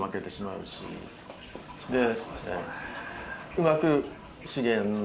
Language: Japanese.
うまく。